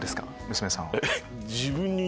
娘さんは。